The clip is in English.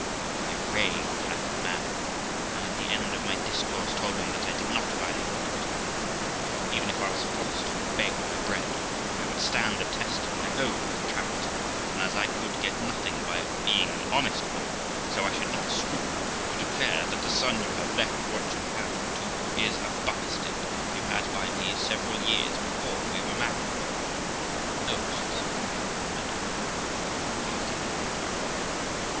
I raved like a mad woman, and, at the end of my discourse, told him that I did not value what could happen to me, even if I was forced to beg my bread, for I would stand the test of my own character; and, as I could get nothing by being an honest woman, so I should not scruple to declare that 'the son you have left what you have to is a bastard you had by me several years before we were married.* 'Oh', says he, 'madam, do you think you can frighten me?